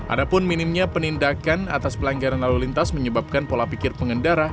ada pun minimnya penindakan atas pelanggaran lalu lintas menyebabkan pola pikir pengendara